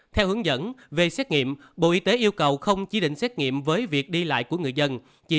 theo hướng dẫn về xét nghiệm bộ y tế yêu cầu không chỉ định xét nghiệm với việc đi lại của người dân